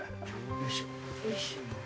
よいしょ。